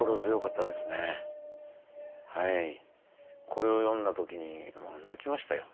これを読んだ時に泣きましたよ。